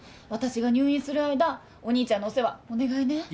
私が入院する間お兄ちゃんのお世話お願いね。